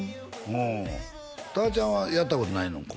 うんたぁちゃんはやったことないの？